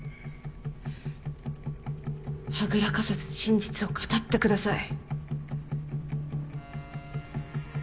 はぐらかさず真実を語ってください。